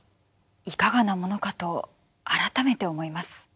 いかがなものかと改めて思います。